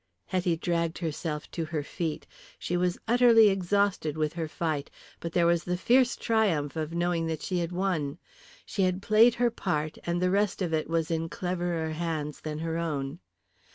Hetty dragged herself to her feet. She was utterly exhausted with her fight, but there was the fierce triumph of knowing that she had won. She had played her part and the rest of it was in cleverer hands than her own.